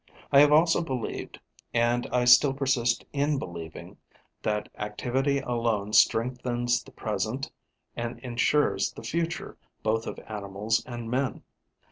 I have also believed and I still persist in believing that activity alone strengthens the present and ensures the future both of animals and men.